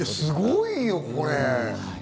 すごいよ、これ！